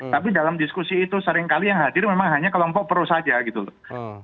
tapi dalam diskusi itu seringkali yang hadir memang hanya kelompok pro saja gitu loh